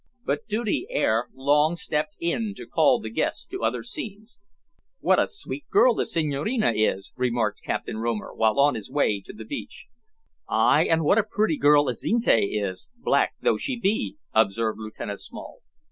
But duty ere long stepped in to call the guests to other scenes. "What a sweet girl the Senhorina is!" remarked Captain Romer, while on his way to the beach. "Ay, and what a pretty girl Azinte is, black though she be," observed Lieutenant Small.